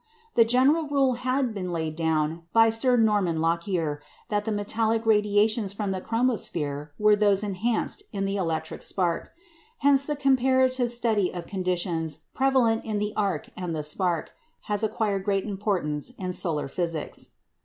The general rule had been laid down by Sir Norman Lockyer that the metallic radiations from the chromosphere are those "enhanced" in the electric spark. Hence, the comparative study of conditions prevalent in the arc and the spark has acquired great importance in solar physics.